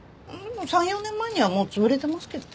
３４年前にはもう潰れてますけど。